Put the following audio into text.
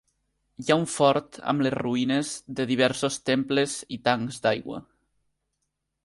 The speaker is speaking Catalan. Hi ha un fort amb les ruïnes de diversos temples i tancs d'aigua.